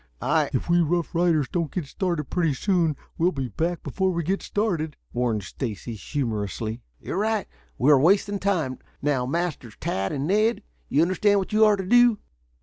I " "If we rough riders don't get started pretty soon we'll be back before we get started," warned Stacy humorously. "You're right. We are wasting time. Now, Masters Tad and Ned, you understand what you are to do?"